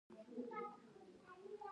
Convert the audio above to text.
په ګولایي کې د لید ساحه باید ازاده وي